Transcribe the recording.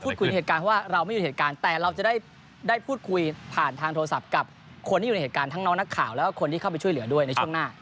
เหตุการณ์เพราะว่าเราไม่อยู่เหตุการณ์แต่เราจะได้พูดคุยผ่านทางโทรศัพท์กับคนที่อยู่ในเหตุการณ์ทั้งน้องนักข่าวแล้วก็คนที่เข้าไปช่วยเหลือด้วยในช่วงหน้า